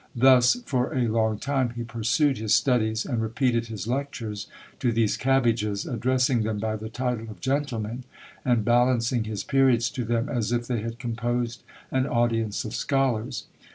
Thus for a long time he pursued his studies, and repeated his lectures to these cabbages, addressing them by the title of gentlemen, and balancing his periods to them as if they had composed an audience of scholars.